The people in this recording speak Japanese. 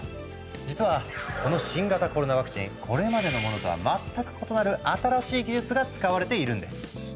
実はこの新型コロナワクチンこれまでのものとは全く異なる新しい技術が使われているんです。